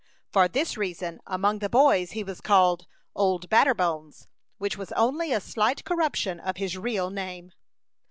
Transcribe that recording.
For this reason, among the boys he was called "Old Batterbones," which was only a slight corruption of his real name.